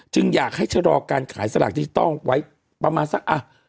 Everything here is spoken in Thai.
จึงอยากให้ชะลอการขายสลากที่ต้องไว้ประมาณสัก